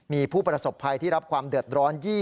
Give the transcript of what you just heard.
มีความรู้สึกว่าเกิดอะไรขึ้น